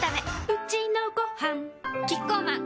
うちのごはんキッコーマン